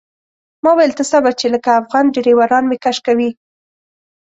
ما ویل ته صبر چې لکه افغان ډریوران مې کش کوي.